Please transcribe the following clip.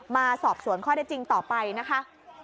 มาสอบสวนข้อได้จริงต่อไปนะคะ